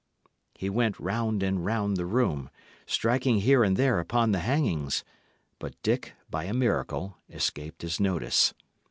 He went round and round the room, striking here and there upon the hangings; but Dick, by a miracle, escaped his notice.